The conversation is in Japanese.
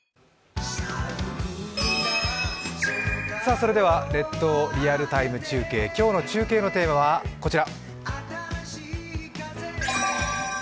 それでは、列島リアルタイム中継、今日の中継のテーマはこちら。